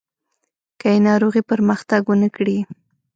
که یې ناروغي پرمختګ ونه کړي.